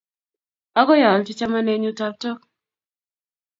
Agoi aalchi chamanenyu taptok